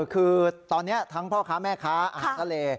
คือตอนนี้ทั้งพ่อค้าแม่ค้าอาหารทะเล